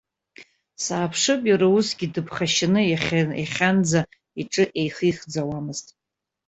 Сааԥшып, иара усгьы дыԥхашьаны иахьанӡа иҿы еихихӡауамызт.